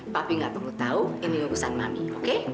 papi gak perlu tahu ini urusan mami oke